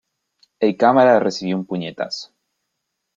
El cámara recibió un puñetazo.